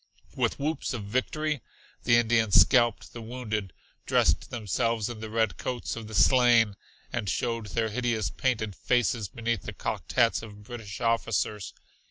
With whoops of victory the Indians scalped the wounded, dressed themselves in the red coats of the slain and showed their hideous painted faces beneath the cocked hats of British officers.